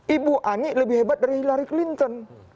ibu ani lebih hebat dari hillary clinton